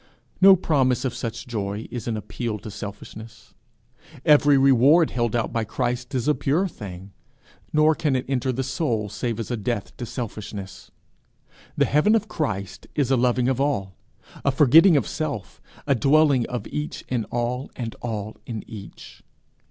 No promise of such joy is an appeal to selfishness. Every reward held out by Christ is a pure thing; nor can it enter the soul save as a death to selfishness. The heaven of Christ is a loving of all, a forgetting of self, a dwelling of each in all, and all in each.